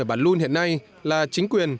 ở bản luôn hiện nay là chính quyền